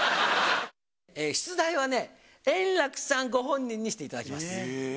出題はね、円楽さんご本人にしていただきます。